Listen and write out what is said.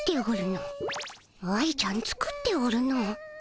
愛ちゃん作っておるの。